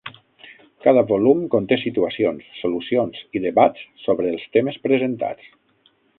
Cada volum conté situacions, solucions i debats sobre els temes presentats.